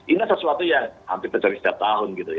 ini sesuatu yang hampir terjadi setiap tahun